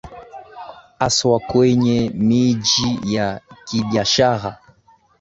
haswa kwenye miji ya kibiashara